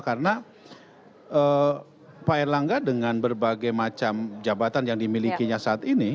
karena pak erlangga dengan berbagai macam jabatan yang dimilikinya saat ini